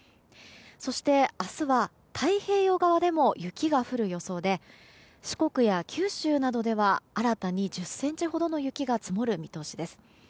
そして明日は太平洋側でも雪が降る予想で四国や九州などでは新たに１０ｃｍほどの雪が積もる見通しです。